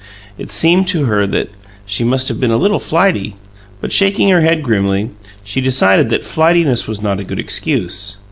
It seemed to her that she must have been a little flighty; but, shaking her head grimly, she decided that flightiness was not a good excuse.